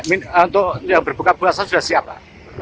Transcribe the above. untuk yang berbuka puasa sudah siap pak